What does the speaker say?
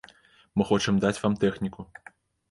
Мы хочам даць вам тэхніку!